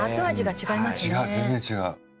違う全然違う。